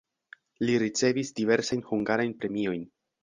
Li ricevis diversajn hungarajn premiojn.